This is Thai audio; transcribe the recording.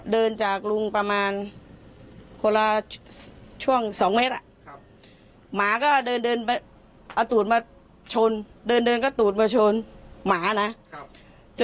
เดินจากลุงประมาณคนละช่วงสองเมตรอ่ะครับหมาก็เดินเดินไปเอาตูดมาชนเดินเดินก็ตูดมาชนหมานะครับ